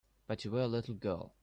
But you were a little girl.